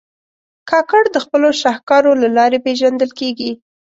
کاکړ د خپلو شهکارو له لارې پېژندل کېږي.